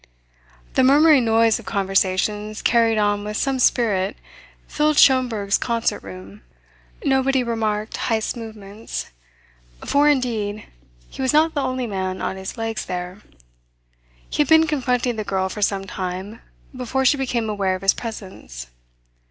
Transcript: The murmuring noise of conversations carried on with some spirit filled Schomberg's concert room. Nobody remarked Heyst's movements; for indeed he was not the only man on his legs there. He had been confronting the girl for some time before she became aware of his presence.